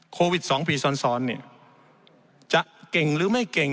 โควิด๒ปีซ้อนเนี่ยจะเก่งหรือไม่เก่ง